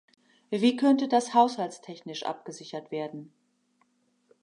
Wie könnte das haushaltstechnisch abgesichert werden?